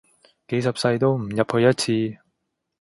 幾十世都唔入去一次